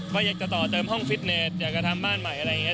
ว่าอยากจะต่อเติมห้องฟิตเนสอยากจะทำบ้านใหม่อะไรอย่างนี้